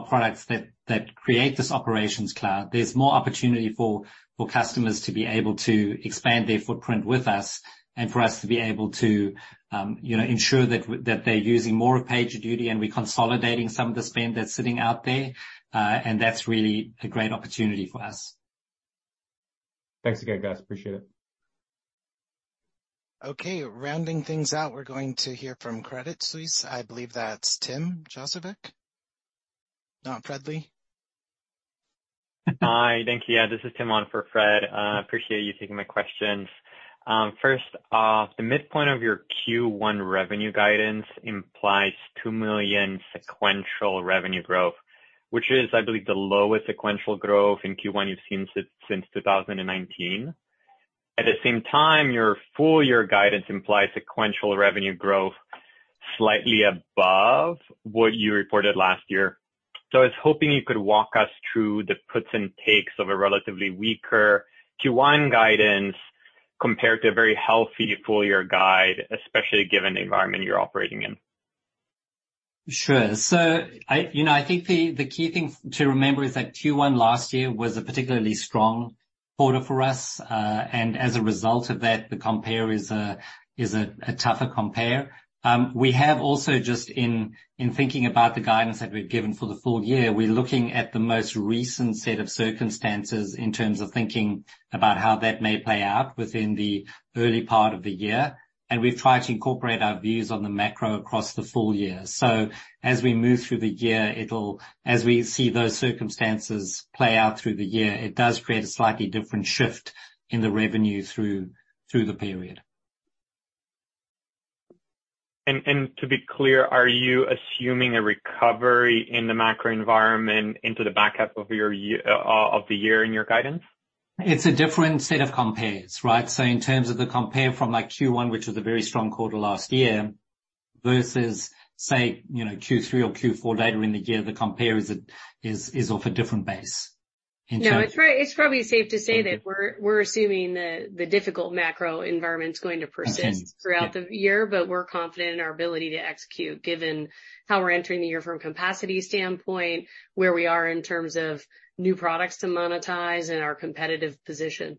products that create this Operations Cloud, there's more opportunity for customers to be able to expand their footprint with us and for us to be able to, you know, ensure that they're using more of PagerDuty and we consolidating some of the spend that's sitting out there. That's really a great opportunity for us. Thanks again, guys. Appreciate it. Okay. Rounding things out, we're going to hear from Credit Suisse. I believe that's Tim Pusnik-Jausovec. Not Fred Lee. Hi. Thank you. Yeah, this is Tim on for Fred. Appreciate you taking my questions. First off, the midpoint of your Q1 revenue guidance implies $2 million sequential revenue growth, which is, I believe, the lowest sequential growth in Q1 you've seen since 2019. At the same time, your full year guidance implies sequential revenue growth slightly above what you reported last year. I was hoping you could walk us through the puts and takes of a relatively weaker Q1 guidance compared to a very healthy full year guide, especially given the environment you're operating in. Sure. You know, I think the key thing to remember is that Q1 last year was a particularly strong quarter for us. As a result of that, the compare is a tougher compare. We have also just in thinking about the guidance that we've given for the full year, we're looking at the most recent set of circumstances in terms of thinking about how that may play out within the early part of the year, and we've tried to incorporate our views on the macro across the full year. As we move through the year, as we see those circumstances play out through the year, it does create a slightly different shift in the revenue through the period. To be clear, are you assuming a recovery in the macro environment into the backup of the year in your guidance? It's a different set of compares, right? In terms of the compare from like Q1, which was a very strong quarter last year, versus say, you know, Q3 or Q4 later in the year, the compare is of a different base. No, it's probably safe to say that we're assuming the difficult macro environment is going to persist- Okay. Yeah... throughout the year, but we're confident in our ability to execute given how we're entering the year from capacity standpoint, where we are in terms of new products to monetize and our competitive position.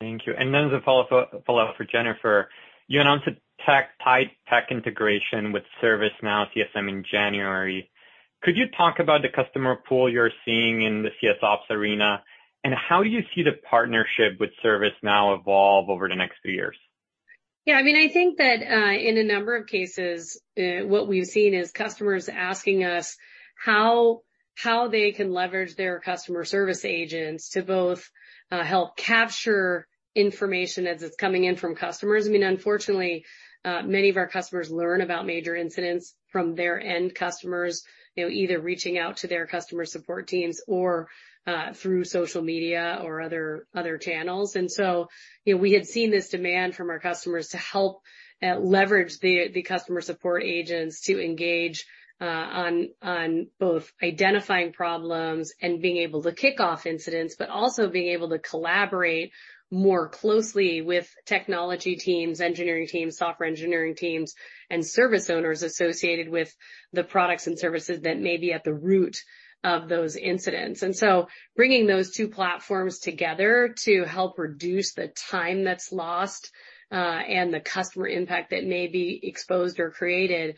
Thank you. As a follow up for Jennifer. You announced a tight tech integration with ServiceNow CSM in January. Could you talk about the customer pool you're seeing in the CS ops arena, and how you see the partnership with ServiceNow evolve over the next few years? Yeah. I mean, I think that in a number of cases, what we've seen is customers asking us how they can leverage their customer service agents to both help capture information as it's coming in from customers. I mean, unfortunately, many of our customers learn about major incidents from their end customers, you know, either reaching out to their customer support teams or through social media or other channels. You know, we had seen this demand from our customers to help leverage the customer support agents to engage on both identifying problems and being able to kick off incidents, but also being able to collaborate more closely with technology teams, engineering teams, software engineering teams, and service owners associated with the products and services that may be at the root of those incidents. Bringing those two platforms together to help reduce the time that's lost and the customer impact that may be exposed or created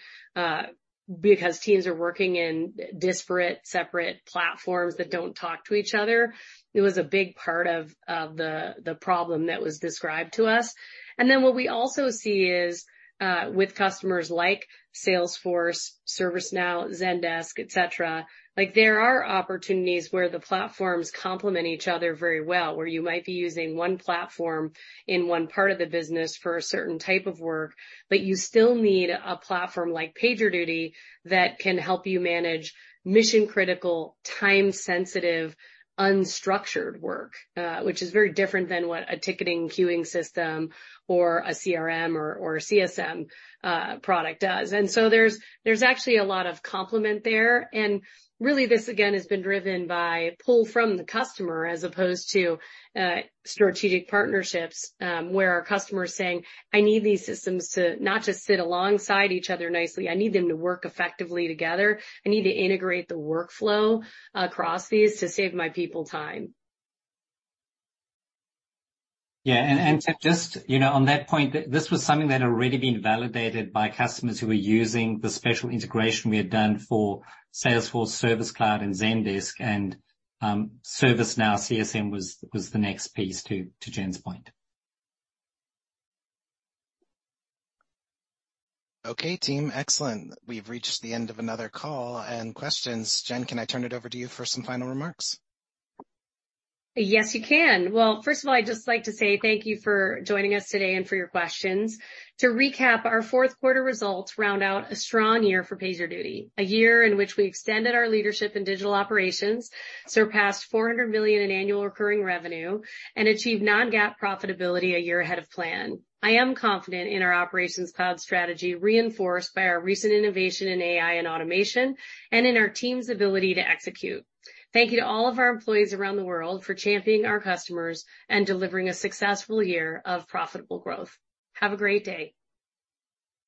because teams are working in disparate, separate platforms that don't talk to each other. It was a big part of the problem that was described to us. What we also see is with customers like Salesforce, ServiceNow, Zendesk, et cetera, like there are opportunities where the platforms complement each other very well, where you might be using one platform in one part of the business for a certain type of work, but you still need a platform like PagerDuty that can help you manage mission-critical, time-sensitive, unstructured work, which is very different than what a ticketing queuing system or a CRM or CSM product does. There's actually a lot of complement there. Really this again has been driven by pull from the customer as opposed to strategic partnerships, where our customers saying, "I need these systems to not just sit alongside each other nicely, I need them to work effectively together. I need to integrate the workflow across these to save my people time. Yeah. To just, you know, on that point, this was something that had already been validated by customers who were using the special integration we had done for Salesforce Service Cloud and Zendesk and ServiceNow CSM was the next piece to Jen's point. Okay, team. Excellent. We've reached the end of another call and questions. Jen, can I turn it over to you for some final remarks? Yes, you can. Well, first of all, I'd just like to say thank you for joining us today and for your questions. To recap, our fourth quarter results round out a strong year for PagerDuty, a year in which we extended our leadership in digital operations, surpassed $400 million in annual recurring revenue, and achieved non-GAAP profitability a year ahead of plan. I am confident in our operations cloud strategy reinforced by our recent innovation in AI and automation and in our team's ability to execute. Thank you to all of our employees around the world for championing our customers and delivering a successful year of profitable growth. Have a great day.